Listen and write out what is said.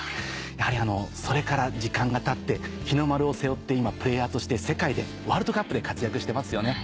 やはりそれから時間がたって日の丸を背負って今プレーヤーとして世界でワールドカップで活躍してますよね。